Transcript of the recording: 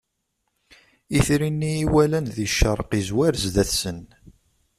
Itri-nni i walan di ccerq izwar zdat-nsen.